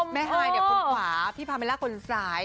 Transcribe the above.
แม่ไห้คลุกขวาพี่ฟาเมล่าคนซ้าย